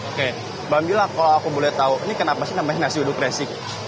oke mbak mila kalau aku boleh tahu ini kenapa sih namanya nasi uduk resing